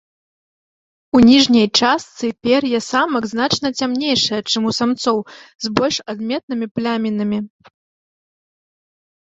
У ніжняй частцы пер'е самак значна цямнейшае чым у самцоў, з больш адметнымі плямінамі.